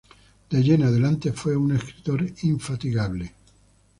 De allí en adelante fue un escritor infatigable.